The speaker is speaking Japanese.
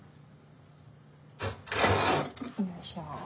よいしょ。